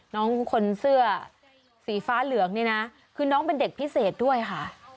น้องคนเสื้อสีฟ้าเหลืองนี่นะคือน้องเป็นเด็กพิเศษด้วยค่ะ